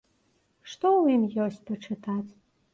Што ў ім ёсць пачытаць?